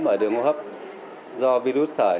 hô hấp do virus sởi